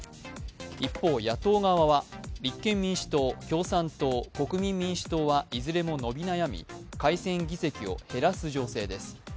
一方、野党側は立憲民主党共産党、国民民主党はいずれも伸び悩み、改選議席を減らす情勢です。